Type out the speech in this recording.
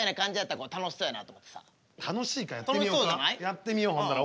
やってみようほんなら。